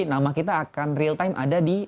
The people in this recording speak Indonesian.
nama kita akan real time ada di